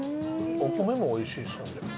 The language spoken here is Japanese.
お米もおいしいですよね。